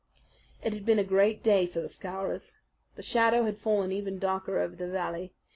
It had been a great day for the Scowrers. The shadow had fallen even darker over the valley.